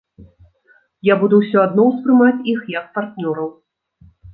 Я буду ўсё адно ўспрымаць іх як партнёраў.